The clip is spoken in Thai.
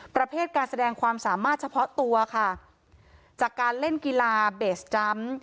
ประเภทการแสดงความสามารถเฉพาะตัวค่ะจากการเล่นกีฬาเบสจำ